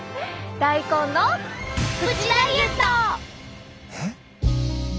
大根のえっ？